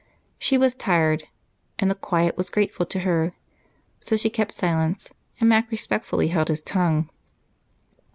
She was tired, and the quiet was grateful to her, so she kept silence and Mac respectfully held his tongue.